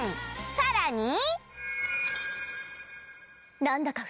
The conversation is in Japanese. さらに